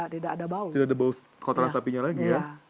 tidak ada bau kotoran sapinya lagi ya